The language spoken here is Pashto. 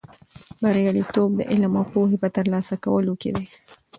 بریالیتوب د علم او پوهې په ترلاسه کولو کې دی.